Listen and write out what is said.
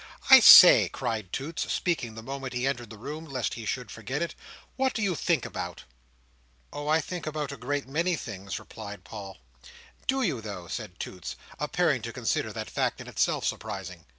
"I say!" cried Toots, speaking the moment he entered the room, lest he should forget it; "what do you think about?" "Oh! I think about a great many things," replied Paul. "Do you, though?" said Toots, appearing to consider that fact in itself surprising.